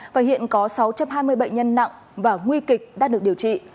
và hiện có sáu trăm hai mươi bệnh nhân nặng và nguy kịch đã được điều trị